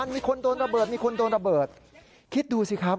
มีคนโดนระเบิดคิดดูสิครับ